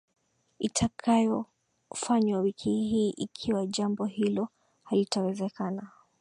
itakayofanywa wiki hii Ikiwa jambo hilo halitawezekana